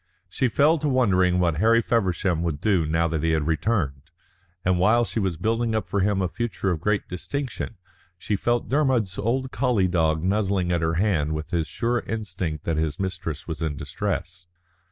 She fell to wondering what Harry Feversham would do now that he had returned, and while she was building up for him a future of great distinction she felt Dermod's old collie dog nuzzling at her hand with his sure instinct that his mistress was in distress.